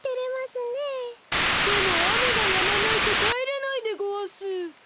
でもあめがやまないとかえれないでごわす。